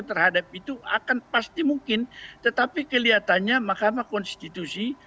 terhadap itu akan pasti mungkin tetapi kelihatannya mahkamah konstitusi